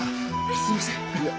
すいません！